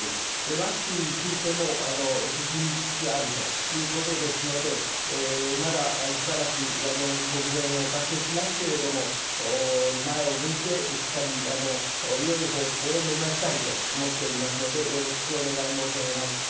ワクチンについても進みつつあるということですので、まだしばらくご不便をおかけしますけれども、前を向いてしっかり、よい方向を目指したいと思っておりますので、よろしくお願い申し上げます。